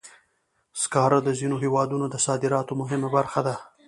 سکاره د ځینو هېوادونو د صادراتو مهمه برخه ده.